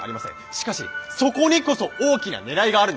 しかしそこにこそ大きなねらいがあるんです！